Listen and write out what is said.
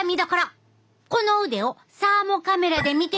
この腕をサーモカメラで見てみると？